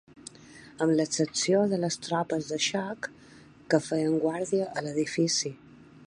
Amb l'excepció de les tropes de xoc que feien guàrdia a l'edifici